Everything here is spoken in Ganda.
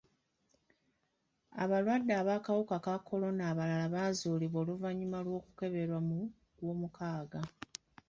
Abalwadde b'akawuka ka kolona abalala baazuulibwa oluvannyuma lw'okukeberebwa mu gw'omukaaga.